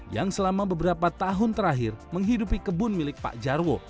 yang selama beberapa tahun terakhir menghidupi kebun milik pak jarwo